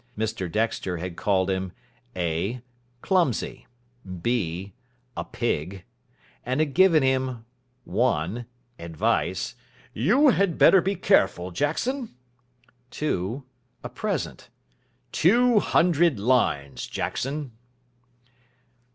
Mr Dexter had called him (a) clumsy; (b) a pig; and had given him (1) Advice "You had better be careful, Jackson". (2) A present "Two hundred lines, Jackson".